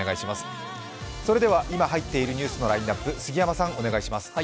それでは、今入っているニュースのラインナップ、杉山さん、お願いします。